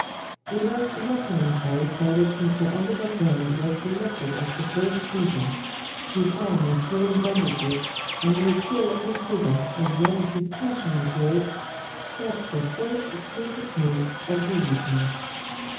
"It was an excellent choice by which Mr. OLIVER BRAND was selected as the first speaker. His arm was still in bandages; and the appeal of his figure as well as his passionate words struck the first explicit note of the evening.